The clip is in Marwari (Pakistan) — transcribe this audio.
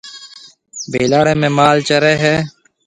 ڀيلاڙيَ ۾ مال چريَ هيَ۔